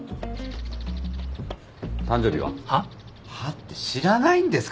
「はっ？」って知らないんですか？